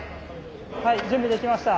はい準備できました。